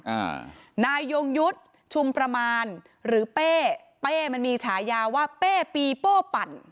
อ่านายยงยุทธ์ชุมประมาณหรือเป้เป้มันมีฉายาว่าเป้ปีโป้ปั่น